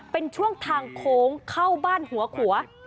เป็นช่วงทางโค้งเข้าบ้านหัวขัว